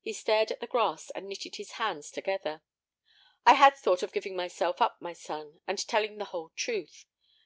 He stared at the grass and knitted his hands together. "I had thought of giving myself up, my son, and telling the whole truth.